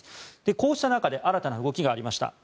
こうした中で新たな動きがありました。